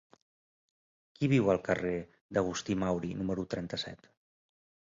Qui viu al carrer d'Agustí Mauri número trenta-set?